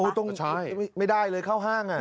โอ้ต้องใช่ไม่ได้เลยเข้าห้างอ่ะ